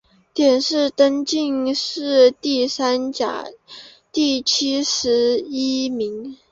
殿试登进士第三甲第七十一名。